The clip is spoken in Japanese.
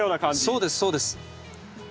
そうですそうです。